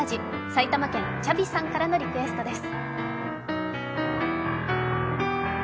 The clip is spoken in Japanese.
埼玉県、ちゃびさんからのリクエストです。